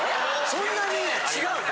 そんなに違うの？